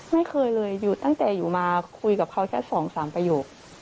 ไม่เคยเลยอยู่ตั้งแต่อยู่มาคุยกับเขาแค่๒๓ประโยค